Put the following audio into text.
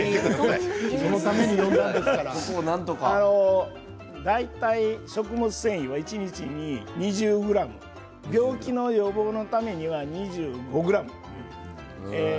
そのために大体、食物繊維は一日に２０ｇ病気の予防のためには２５ｇ。